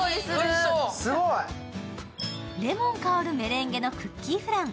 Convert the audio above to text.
すごい！レモン香るメレンゲのクッキーフラン。